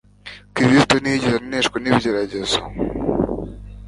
Kristo ntiyigeze aneshwa nibigeragezo